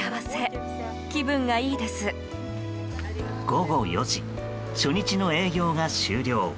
午後４時、初日の営業が終了。